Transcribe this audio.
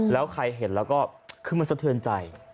แล้วใครเห็นแล้วก็คือมันสะเทือนใจ